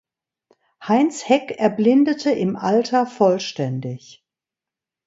Heinz Heck erblindete im Alter vollständig.